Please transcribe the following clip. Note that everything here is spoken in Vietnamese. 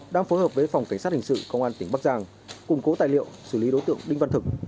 đang phối hợp với phòng cảnh sát hình sự công an tỉnh bắc giang củng cố tài liệu xử lý đối tượng đinh văn thực